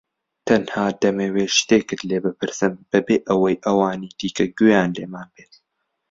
تەنها دەمەوێت شتێکت لێ بپرسم بەبێ ئەوەی ئەوانی دیکە گوێیان لێمان بێت.